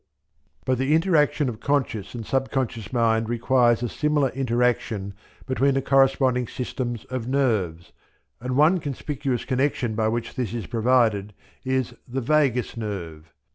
But the interaction of conscious and subconscious mind requires a similar interaction between the corresponding systems of nerves, and one conspicuous connection by which this is provided is the "vagus" nerve.